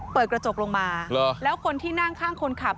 เปิดกระจกลงมาแล้วคนที่นั่งข้างคนขับ